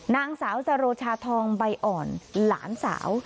นางสาวจโรชาทองใบอ่อนหลานสาว